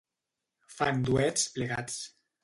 Fan duets plegats.